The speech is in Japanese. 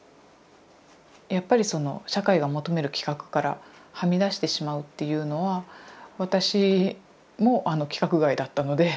やっぱりその社会が求める規格からはみ出してしまうっていうのは私も規格外だったので。